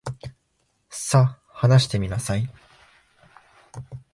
さ、話してみなさい。